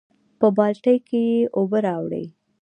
پۀ بالټي کښې ئې اوبۀ راوړې ـ